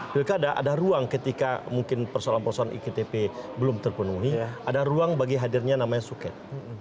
pilkada ada ruang ketika mungkin persoalan persoalan iktp belum terpenuhi ada ruang bagi hadirnya namanya suket